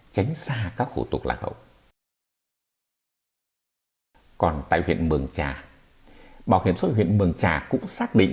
tránh xa các phủ tục lạc hậu còn tại huyện mường trà bảo hiểm sôi huyện mường trà cũng xác định